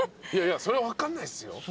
いやそれは分かんないっすよ。